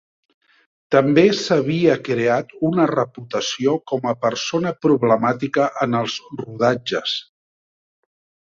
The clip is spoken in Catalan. També s'havia creat una reputació com a persona problemàtica en els rodatges.